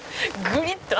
「グリッと。